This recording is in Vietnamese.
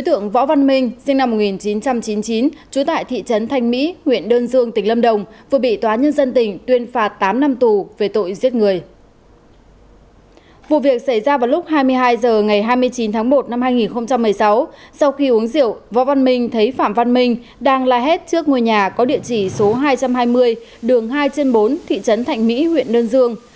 trong lúc hai mươi hai h ngày hai mươi chín tháng một năm hai nghìn một mươi sáu sau khi uống rượu võ văn minh thấy phạm văn minh đang la hét trước ngôi nhà có địa chỉ số hai trăm hai mươi đường hai trên bốn thị trấn thạnh mỹ huyện nơn dương